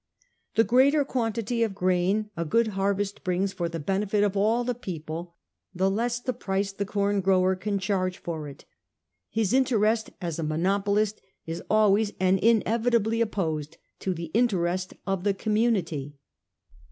The greater quantity of grain a good harvest brings for the benefit of all the people, the less the price the corn grower can charge for it. His interest as a monopolist is always and inevitably opposed to the interest of the community.